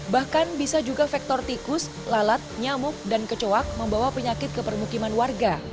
bahkan bisa juga faktor tikus lalat nyamuk dan kecoak membawa penyakit ke permukiman warga